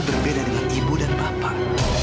berbeda dengan ibu dan papar